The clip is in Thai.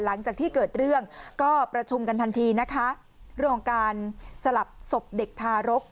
หลังจากที่เกิดเรื่องก็ประชุมกันทันทีนะคะเรื่องของการสลับศพเด็กทารก